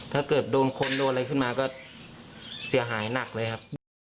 ถ้าเกิดโดนคนโดนอะไรขึ้นมาก็เสียหายหนักเลยครับ